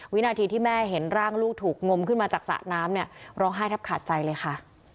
วินาทีที่แม่เห็นร่างลูกถูกงมขึ้นมาจากสระน้ำเนี่ยร้องไห้แทบขาดใจเลยค่ะ